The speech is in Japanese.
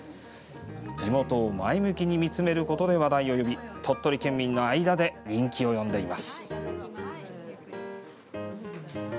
地元を前向きに見つめることで話題を呼び鳥取県民の間で人気を呼んでいます。